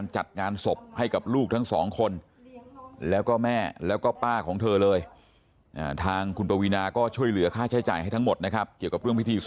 ใช่เพราะว่าแค่วันเดียวหลังจากที่หนูบอกเกษเขา